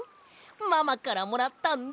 ママからもらったんだ！